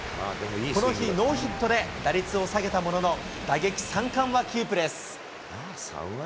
この日、ノーヒットで打率を下げたものの打撃、三冠はキープです。